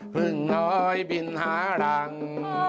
เพิ่งน้อยบินหาหลัง